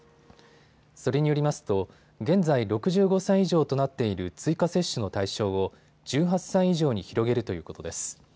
それによりますと現在６５歳以上となっている追加接種の対象を１８歳以上に広げるということです。